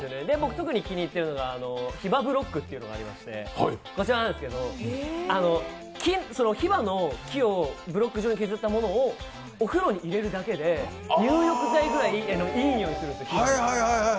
特に気に入っているのがヒバブロックというのがありまして、ヒバの木をブロック状に削ったものをお風呂に入れるだけで入浴剤っていうぐらいいい匂いするんです。